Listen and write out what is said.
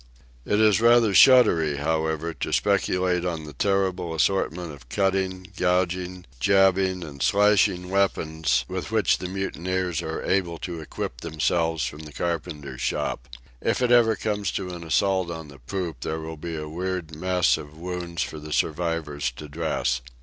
It is rather shuddery, however, to speculate on the terrible assortment of cutting, gouging, jabbing and slashing weapons with which the mutineers are able to equip themselves from the carpenter's shop. If it ever comes to an assault on the poop there will be a weird mess of wounds for the survivors to dress.